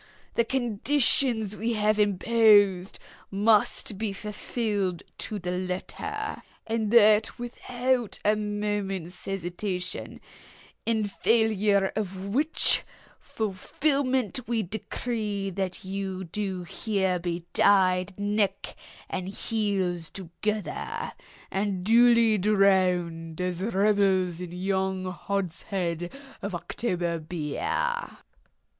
The conditions we have imposed must be fulfilled to the letter, and that without a moment's hesitation—in failure of which fulfilment we decree that you do here be tied neck and heels together, and duly drowned as rebels in yon hogshead of October beer!"